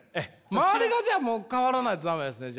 周りがじゃあもう変わらないとダメですね。